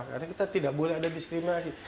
karena kita tidak boleh ada diskriminasi